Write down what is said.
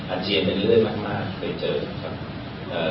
อาเจียเป็นเลือดมากยังไม่เคยเจอครับ